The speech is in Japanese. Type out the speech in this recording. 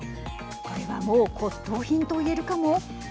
これはもう骨董品といえるかも。